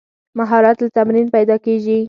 مهارت له تمرین پیدا کېږي.